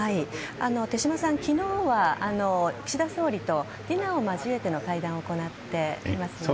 手嶋さん、昨日は岸田総理とディナーを交えての会談を行っていますね。